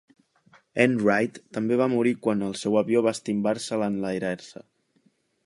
N Wright també va morir quan el seu avió va estimbar-se al enlairar-se.